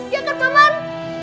ya kan pak man